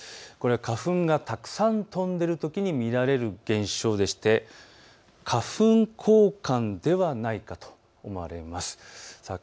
これは花粉がたくさん飛んでいるときに見られる現象で花粉光環ではないかと思われます。